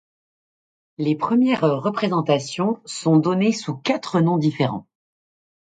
Leurs premières représentations sont données sous quatre noms différents.